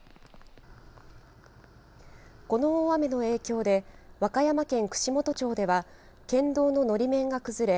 この大雨の影響で和歌山県串本町では県道の、のり面が崩れ